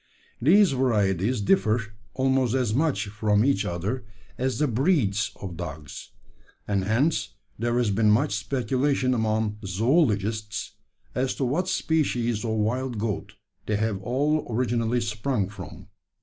These varieties differ almost as much from each other as the `breeds' of dogs; and hence there has been much speculation among zoologists, as to what species of wild goat they have all originally sprung from.